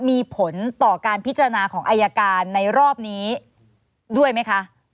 มีผลต่อการพิจารณาของอายการในรอบนี้ด้วยไหมคะ